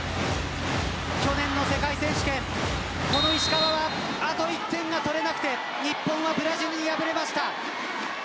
去年の世界選手権この石川はあと１点が取れなくて日本がブラジルに敗れました。